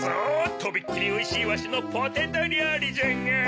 とびっきりおいしいわしのポテトりょうりジャガ。